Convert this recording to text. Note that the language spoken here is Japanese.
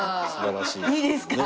いいですか？